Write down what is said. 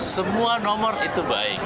semua nomor itu baik